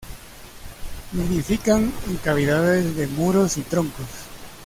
Nidifican en cavidades de muros y troncos.